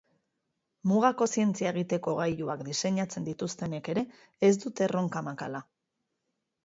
Mugako zientzia egiteko gailuak diseinatzen dituztenek ere ez dute erronka makala.